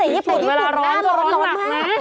ไม่แต่ยญิปุ่นไทยเวลาร้อนร้อนหนักนะ